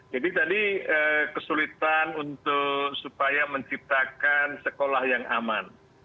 jadi tadi kesulitan untuk supaya menciptakan sekolah yang aman